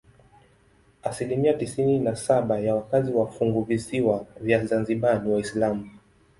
Asilimia tisini na saba ya wakazi wa funguvisiwa vya Zanzibar ni Waislamu.